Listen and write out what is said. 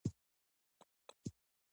نبي کريم صلی الله عليه وسلم فرمايلي دي: